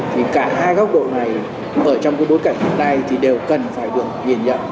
thì cả hai góc độ này ở trong cái bối cảnh hiện nay thì đều cần phải được nhìn nhận